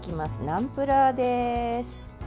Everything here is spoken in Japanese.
ナムプラーです。